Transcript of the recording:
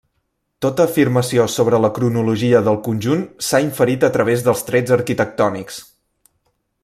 Tota afirmació sobre la cronologia del conjunt s'ha inferit a través dels trets arquitectònics.